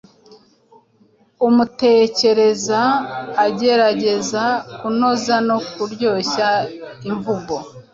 Umutekereza agerageza kunoza no kuryoshya imvugo